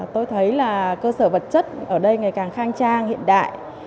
tôi thấy là cơ sở vật chất ở đây ngày càng khang trang hiện đại